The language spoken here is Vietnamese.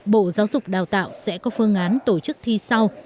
bộ giáo dục đào tạo sẽ có phương án tổ chức thi sau